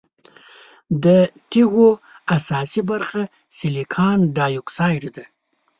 د تیږو اساسي برخه سلیکان ډای اکسايډ ده.